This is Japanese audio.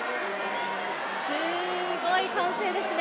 すごい歓声ですね。